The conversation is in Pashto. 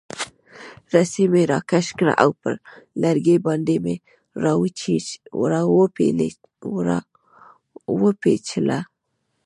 رسۍ مې راکش کړه او پر لرګي باندې مې را وپیچله.